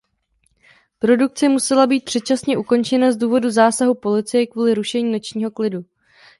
Produkce musela být předčasně ukončena z důvodu zásahu policie kvůli rušení nočního klidu.